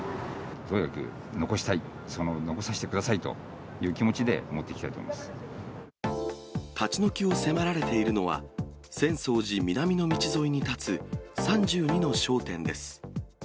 とにかく残したい、残させてくださいという気持ちで持っていきた立ち退きを迫られているのは、浅草寺南の道沿いに建つ３２の商店です。